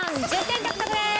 １０点獲得です。